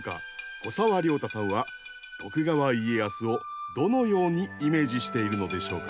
古沢良太さんは徳川家康をどのようにイメージしているのでしょうか？